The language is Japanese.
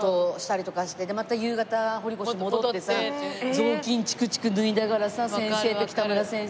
雑巾チクチク縫いながらさ先生と北村先生